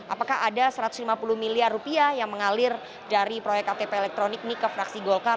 apakah ada satu ratus lima puluh miliar rupiah yang mengalir dari proyek ktp elektronik ini ke fraksi golkar